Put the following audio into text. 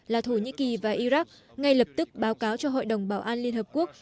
là thổ nhĩ kỳ và iraq ngay lập tức báo cáo cho hội đồng bảo an liên hợp quốc